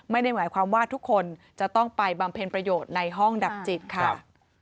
ไม่ได้หมายความว่าทุกคนจะต้องไปบำเพ็ญประโยชน์ในห้องดับจิตค่ะ